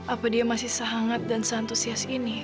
apa dia masih sehangat dan se antusias ini